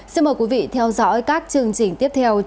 xin mời quý vị theo dõi các chương trình tiếp theo trên antv